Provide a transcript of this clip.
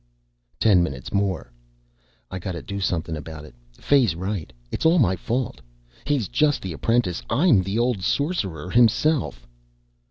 Ten minutes more: "I gotta do something about it. Fay's right. It's all my fault. He's just the apprentice; I'm the old sorcerer himself."